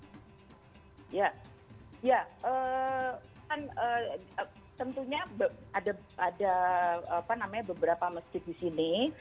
kan tentunya ada beberapa masjid di sini